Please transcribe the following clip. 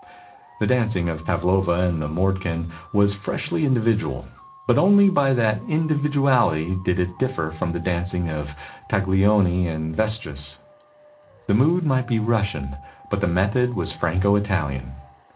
The dancing of Pavlova and of Mordkin was freshly individual; but only by that individual ity did it differ from the dancing of Taglioni and Vestris. The mood might be Russian, but the method was Franco Italian.